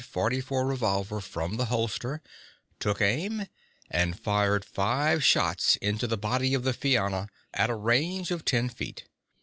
44 revolver from the holster, took aim and fired five shots into the body of the Fianna at a range of ten feet.